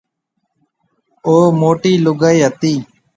او موٽِي لُگائِي هتي۔